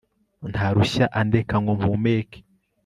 ntarushya andeka ngo mpumeke